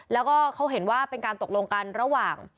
แล้วก็เขาเห็นว่าเป็นการตกลงกันระหว่าง